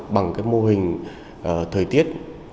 bằng mô hình thời tiết